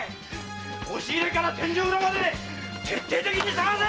押し入れから天井裏まで徹底的に探せ！